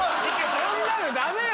そんなのダメよ